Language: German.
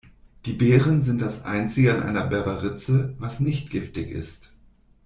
Die Beeren sind das einzige an einer Berberitze, was nicht giftig ist.